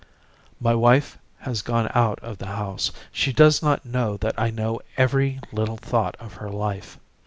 My wife has gone out of the house. She does not know that I know every little thought of her life.